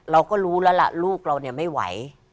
เราก็รู้แล้วล่ะลูกเราเนี่ยไม่ไหว